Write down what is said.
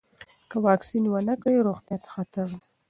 که واکسین ونه کړئ، روغتیا ته خطر دی.